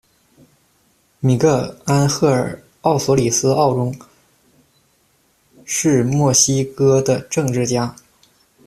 米格尔·安赫尔·奥索里奥·钟是墨西哥的政治家。